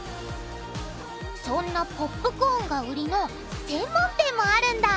そんなポップコーンが売りの専門店もあるんだ！